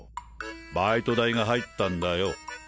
バイト代が入ったんだよ。